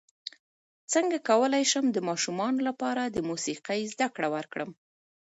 څنګه کولی شم د ماشومانو لپاره د موسیقۍ زدکړه ورکړم